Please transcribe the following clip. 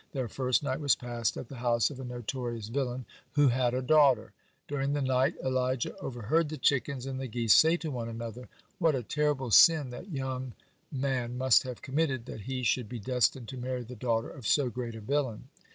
Their first night was passed at the house of a notorious villain, who had a daughter. During the night Elijah overheard the chickens and the geese say to one another: "What a terrible sin that young may must have committed, that he should be destined to marry the daughter of so great a villain!"